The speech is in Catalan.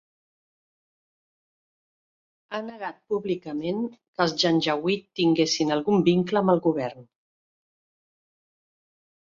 Ha negat públicament que els Janjaweed tinguessin algun vincle amb el govern.